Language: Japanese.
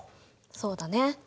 そうだね。